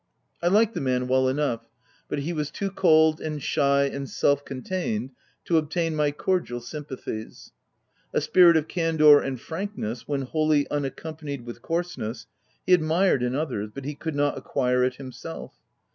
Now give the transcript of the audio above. I liked the man well enough, but he was too cold, and shy, and self contained, to obtain my cordial sympathies. A spirit of candour and frankness, when wholly unac companied with coarseness, he admired in OF WILDFKLL HALL. 69 others, but he could not acquire it himself.